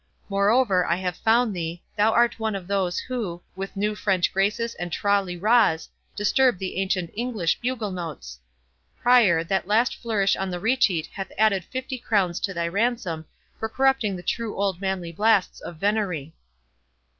Moreover, I have found thee—thou art one of those, who, with new French graces and Tra li ras, disturb the ancient English bugle notes.—Prior, that last flourish on the recheat hath added fifty crowns to thy ransom, for corrupting the true old manly blasts of venerie."